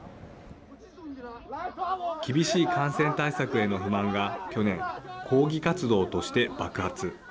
厳しい感染対策への不満が去年、抗議活動として爆発。